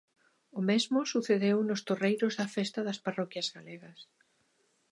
O mesmo sucedeu nos torreiros da festa das parroquias galegas.